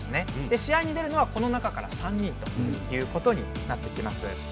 試合に出るのは、この中から３人ということになってきます。